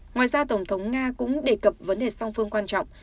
ngoài ra tổng thống nga cũng đề cập vấn đề song phương quan trọng